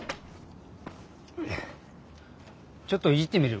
ちょっといじってみる。